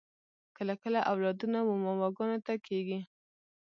کله کله اولادونه و ماماګانو ته کیږي